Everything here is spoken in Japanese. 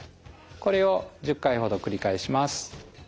これを１０回ほど繰り返します。